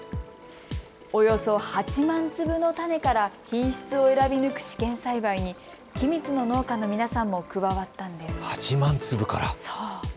およそ８万粒の種から品質を選び抜く試験栽培に君津の農家の皆さんも加わったんです。